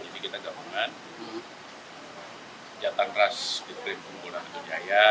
jadi kita gabungan jatang ras ketrim boda mitun jaya